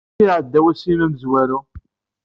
Amek i iɛedda wass-im amezwaru?